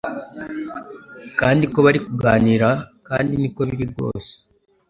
Kandi ko bari kuganira kandi niko biri rwose